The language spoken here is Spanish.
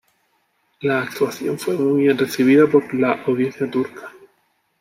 La actuación fue muy bien recibida por la audiencia turca.